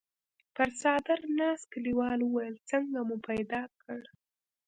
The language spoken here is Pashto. پر څادر ناست کليوال وويل: څنګه مو پيدا کړ؟